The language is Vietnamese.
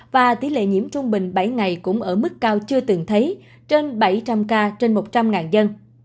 và tỷ lệ nhiễm trung bình bảy ngày cũng ở mức cao chưa từng thấy trên bảy trăm linh ca trên một trăm linh dân